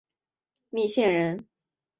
密县人。